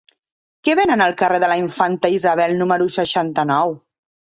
Què venen al carrer de la Infanta Isabel número seixanta-nou?